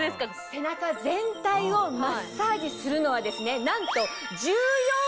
背中全体をマッサージするのはなんと。